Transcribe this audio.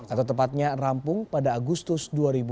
atau tepatnya rampung pada agustus dua ribu delapan belas